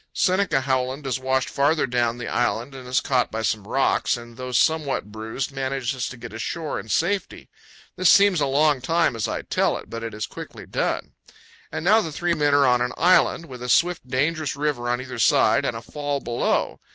Seneca Howland is washed farther down the island and is caught by some rocks, and, though somewhat bruised, manages to get ashore in safety. This seems a long time as I tell it, but it is quickly done. THE CANYON OF LODORE. 155 And now the three men are on an island, with a swift, dangerous river on either side and a fall below.